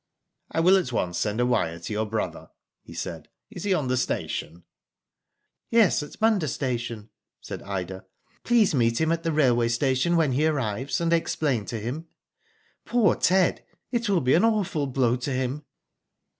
I will at once send a wire to your brother,'' he said. Is he on the station ?" *'Yes, at Munda Station,^' said Ida. "Please meet him at the railway station when he arrives, and explain to him. Poor Ted, it will be an awful blow to him.''